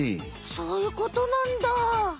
そういうことなんだ。